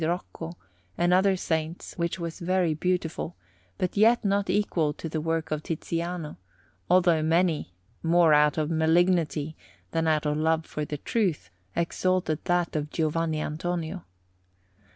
Rocco, and other saints, which was very beautiful, but yet not equal to the work of Tiziano, although many, more out of malignity than out of a love for the truth, exalted that of Giovanni Antonio.